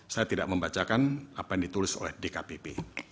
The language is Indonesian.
saya tidak membacakan apa yang ditulis oleh dkpp